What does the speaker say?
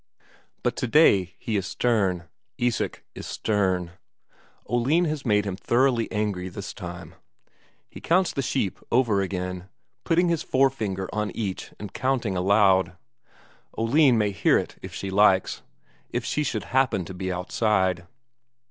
But today he is stern; Isak is stern. Oline has made him thoroughly angry this time. He counts the sheep over again, putting his forefinger on each and counting aloud Oline may hear it if she likes, if she should happen to be outside.